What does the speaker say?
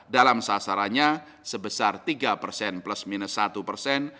dalam sasarannya sebesar tiga persen plus minus satu persen